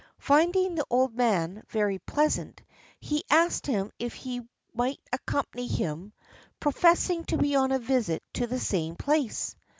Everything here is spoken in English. Finding the old man very pleasant, he asked him if he might accompany him, professing to be on a visit to the same place.